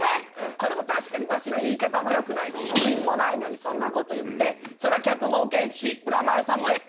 これも確かにワシの言い方もよくないしニンもないのにそんなこと言ってそりゃ客もウケんしブラマヨさんもえっ？